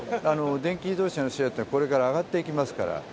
電気自動車のシェアというのはこれから上がっていきますから。